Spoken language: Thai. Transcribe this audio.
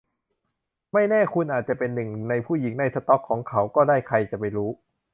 ไม่แน่คุณอาจจะเป็นหนึ่งในผู้หญิงในสต็อกของเขาก็ได้ใครจะไปรู้